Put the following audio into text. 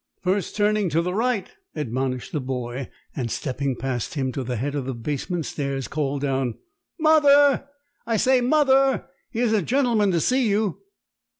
"First turning to the right!" admonished the boy, and stepping past him, to the head of the basement stairs, called down: "Mother! I say, mother, here's a gentleman to see you!"